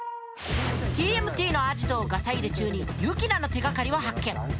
ＴＭＴのアジトをガサ入れ中にユキナの手がかりを発見。